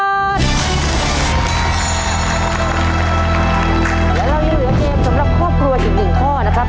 แล้วเรายังเหลือเกมสำหรับครอบครัวอีกหนึ่งข้อนะครับ